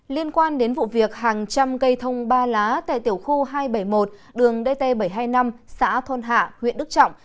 liên quan đến vụ việc hàng trăm cây thông ba lá tại tiểu khu hai trăm bảy mươi một đường dt bảy trăm hai mươi năm xã thôn hạ huyện đức trọng